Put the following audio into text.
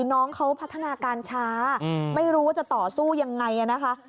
น้องเขาพัฒนาการช้าไม่รู้ว่าจะต่อสู้ยังไงนะคะ